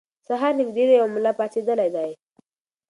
سهار نږدې دی او ملا پاڅېدلی دی.